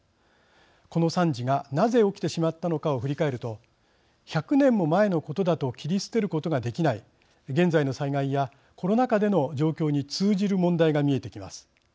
この惨事がなぜ起きてしまったのかを振り返ると１００年も前のことだと切り捨てることができない現在の災害やコロナ禍での状況に通じる問題が見えてきます。